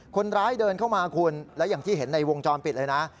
คนร้ายเดินเข้ามาคุณแล้วอย่างที่เห็นในวงจรปิดเลยนะ